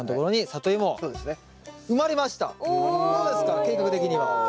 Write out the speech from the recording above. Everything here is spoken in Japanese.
計画的には。